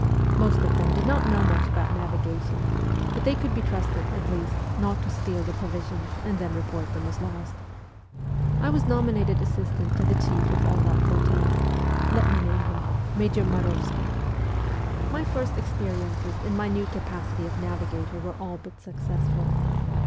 Most of them did not know much about navigation, but they could be trusted, at least, not to steal the provisions and then report them as lost. I was nominated assistant to the chief of all that flotilla let me name him, Major Marovsky. 218 MEMOIRS OF A REVOLUTIONIST My first experiences in my new capacity of navigator were all but successful.